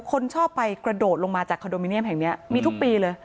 คนชอบไปกระโดดลงมาจากคอนโดมิเนียมแห่งนี้มีทุกปีเลย